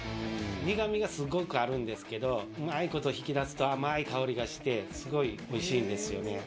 苦みがすごくあるんですけど、うまいこと引き出すと、甘い香りがして、すごいおいしいんですよ